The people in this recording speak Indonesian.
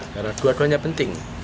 karena dua duanya penting